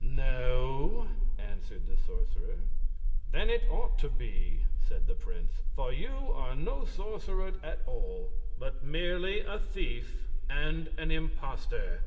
"No," answered the sorcerer. "Then it ought to be," said the prince, "for you are no sorcerer at all, but merely a thief and an impostor!"